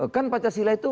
kan pancasila itu